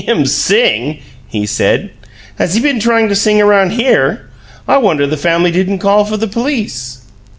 "Him sing?" he said. "Has he been tryin' to sing around HERE? I wonder the family didn't call for the police!"